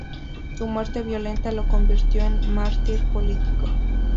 Su muerte violenta lo convirtió en mártir político.